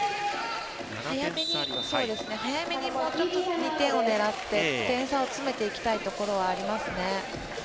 早めにもうちょっと２点を狙って点差を詰めていきたいところがありますね。